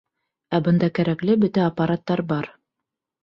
Ә бында кәрәкле бөтә аппараттар бар.